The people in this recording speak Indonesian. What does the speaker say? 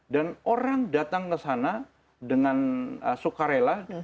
dan orang datang ke sana dengan sukarela